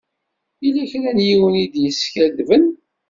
Yella kra n yiwen i d-yeskadben.